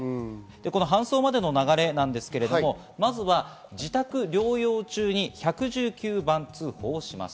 搬送までの流れなんですが、まずは自宅療養中に１１９番通報します。